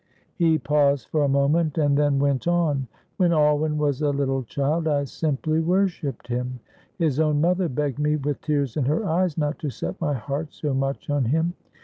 He paused for a moment and then went on: "When Alwyn was a little child, I simply worshipped him; his own mother begged me with tears in her eyes not to set my heart so much on him.